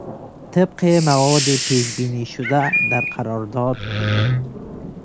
طبق مواد پیش بینی شده در قرارداد ...